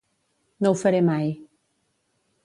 No ho faré mai.